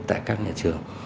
tại các nhà trường